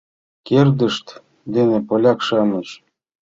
Кердышт дене поляк-шамыч